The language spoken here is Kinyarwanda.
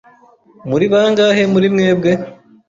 Muri bangahe muri mwebwe?